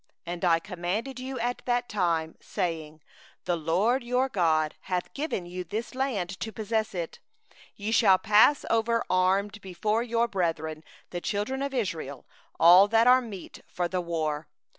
18And I commanded you at that time, saying: 'The LORD your God hath given you this land to possess it; ye shall pass over armed before your brethren the children of Israel, all the men of valour.